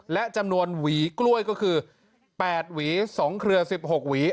และจำนวนหวีกล้วยก็คือ๘หวี๒เครือ๑๖หวี